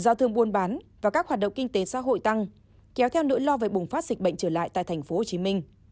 giao thương buôn bán và các hoạt động kinh tế xã hội tăng kéo theo nỗi lo về bùng phát dịch bệnh trở lại tại tp hcm